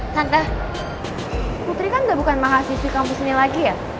santa putri kan udah bukan mahasiswi kampus ini lagi ya